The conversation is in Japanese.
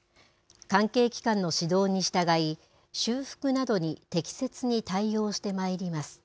関係機関の指導に従い、修復などに適切に対応してまいります。